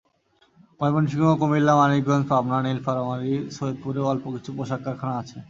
ময়মনসিংহ, কুমিল্লা, মানিকগঞ্জ, পাবনা, নীলফামারীর সৈয়দপুরেও অল্প কিছু পোশাক কারখানা আছে।